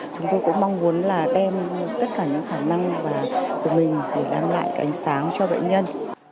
chúng tôi cũng mong muốn đem tất cả những khả năng của mình để làm lại cảnh sáng cho bệnh nhân